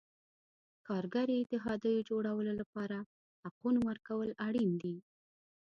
کارګري اتحادیو جوړېدو لپاره حقونو ورکول اړین دي.